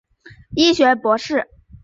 医学博士。